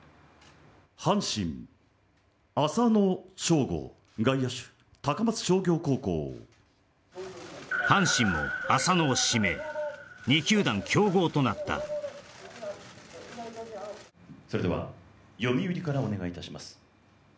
阪神浅野翔吾外野手高松商業高校阪神も浅野を指名２球団競合となったそれでは読売からお願いいたします